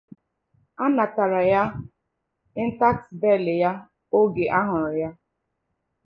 Her intact bell was retrieved around the time she was discovered.